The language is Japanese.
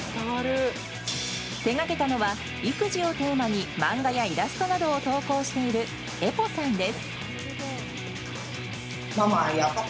手がけたのは育児をテーマに漫画やイラストなどを投稿しているえぽさんです。